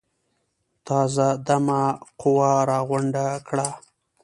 تازه دمه قوه راغونډه کړه.